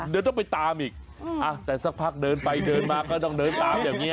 เดี๋ยวต้องไปตามอีกแต่สักพักเดินไปเดินมาก็ต้องเดินตามอย่างนี้